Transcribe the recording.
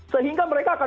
sehingga mereka akan